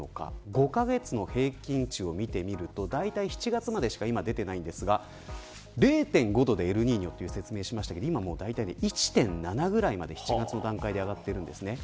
５カ月の平均値を見てみると７月までしか今出てないんですが０．５度でエルニーニョと説明しましたが今だいたい１．７ぐらいまで７月の段階で上がっているんです。